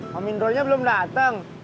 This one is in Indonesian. kominrolnya belum dateng